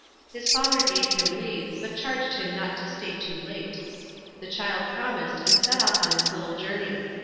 His father gave him leave, but charged him not to stay too late. The child promised, and set off on his little journey.